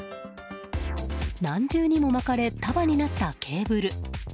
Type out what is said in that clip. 何重にも巻かれ束になったケーブル。